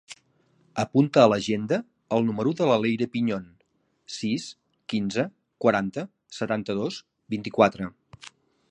Apunta a l'agenda el número de la Leire Piñon: sis, quinze, quaranta, setanta-dos, vint-i-quatre.